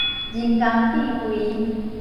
人工智慧